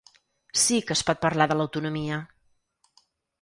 Sí que es pot parlar de l’autonomia.